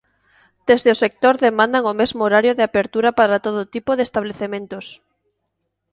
Desde o sector demandan o mesmo horario de apertura para todo tipo de establecementos.